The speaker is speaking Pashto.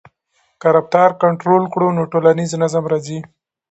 که رفتار کنټرول کړو نو ټولنیز نظم راځي.